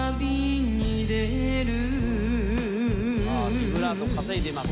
ビブラート稼いでいます。